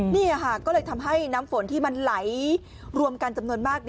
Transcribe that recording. นี่ค่ะก็เลยทำให้น้ำฝนที่มันไหลรวมกันจำนวนมาก